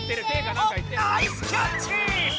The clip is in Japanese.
ナイスキャッチ！